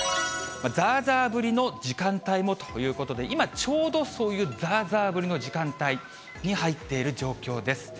ざーざー降りの時間帯もということで、今、ちょうどそういうざーざー降りの時間帯に入っている状況です。